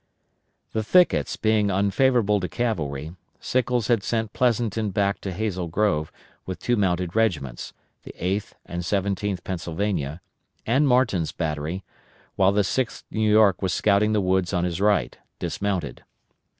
The thickets being unfavorable to cavalry, Sickles had sent Pleasonton back to Hazel Grove with two mounted regiments, the 8th and 17th Pennsylvania and Martin's battery, while the 6th New York was scouting the woods on his right, dismounted.